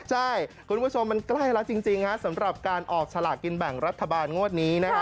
ใช่คุณผู้ชมมันใกล้แล้วจริงสำหรับการออกสลากินแบ่งรัฐบาลงวดนี้